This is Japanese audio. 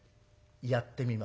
やってみます。